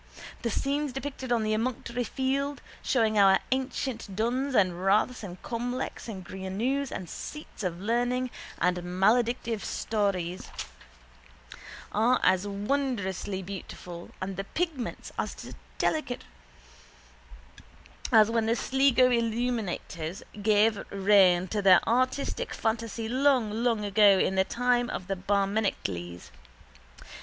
The scenes depicted on the emunctory field, showing our ancient duns and raths and cromlechs and grianauns and seats of learning and maledictive stones, are as wonderfully beautiful and the pigments as delicate as when the Sligo illuminators gave free rein to their artistic fantasy long long ago in the time of the Barmecides.